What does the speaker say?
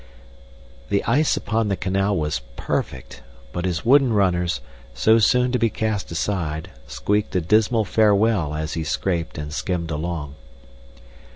} The ice upon the canal was perfect, but his wooden runners, so soon to be cast aside, squeaked a dismal farewell as he scraped and skimmed along.